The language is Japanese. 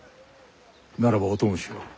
ならばお供しよう。